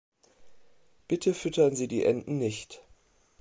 Bitte füttern Sie die Enten nicht!